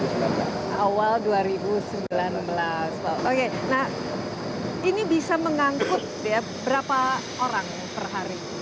oke nah ini bisa mengangkut berapa orang per hari